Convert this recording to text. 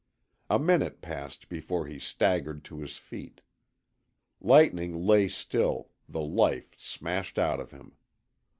A minute passed before he staggered to his feet. Lightning lay still, the life smashed out of him.